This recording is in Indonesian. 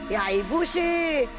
ya ibu sih